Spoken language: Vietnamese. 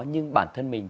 nhưng bản thân mình